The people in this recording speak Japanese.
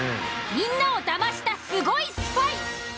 みんなを騙したスゴいスパイ。